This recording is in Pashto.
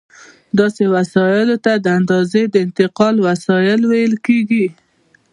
داسې وسایلو ته د اندازې د انتقال وسایل ویل کېږي.